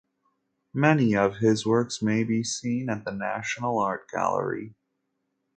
Many of his works may be seen at the National Art Gallery.